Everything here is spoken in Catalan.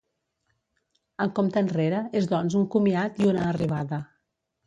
El compte enrere és doncs un comiat i una arribada.